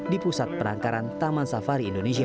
di pusat penangkaran taman safari indonesia